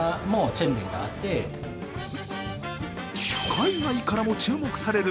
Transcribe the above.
海外からも注目される